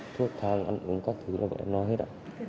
thuốc thang ăn uống các thứ là vợ em nói hết